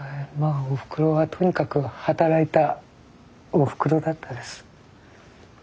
あおふくろはとにかく働いたおふくろだったです。